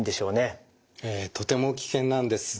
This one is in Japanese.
ええとても危険なんです。